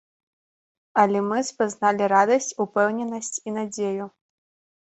Але мы спазналі радасць, упэўненасць і надзею.